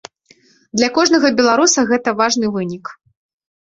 Для кожнага беларуса гэта важны вынік.